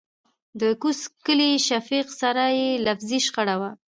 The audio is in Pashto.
دکوز کلي شفيق سره يې لفظي شخړه وه .